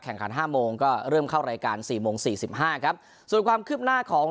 ขันห้าโมงก็เริ่มเข้ารายการสี่โมงสี่สิบห้าครับส่วนความคืบหน้าของ